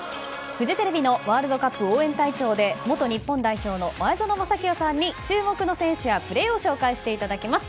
フジテレビのワールドカップ応援隊長で元日本代表の前園真聖さんに注目の選手やプレーを紹介していただきます。